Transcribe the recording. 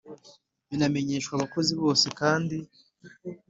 binamenyeshwa abakozi bose kandi